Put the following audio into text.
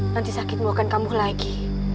nanti sakit membuatkan kamu lagi